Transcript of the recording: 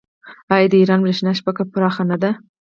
آیا د ایران بریښنا شبکه پراخه نه ده؟